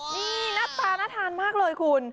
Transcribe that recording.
นี่หน้าตาน่าทานมากเลยคุณ